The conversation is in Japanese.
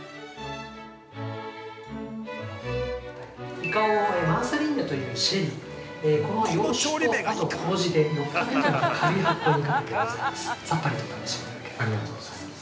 イカをマンサニーリャというシェリーこの洋酒と、あと、こうじで４日程度の軽い発酵にかけてございます。